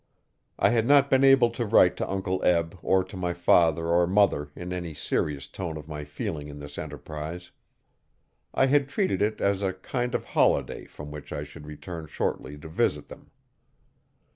I had not been able to write to Uncle Eb or to my father or mother in any serious tone of my feeling in this enterprise. I had treated it as a kind of holiday from which I should return shortly to visit them.